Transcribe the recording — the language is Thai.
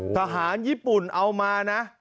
ทหารญี่ปุ่นเอามานะ